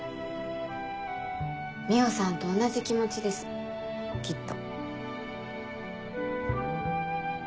海音さんと同じ気持ちですきっと。